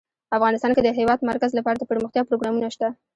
افغانستان کې د د هېواد مرکز لپاره دپرمختیا پروګرامونه شته.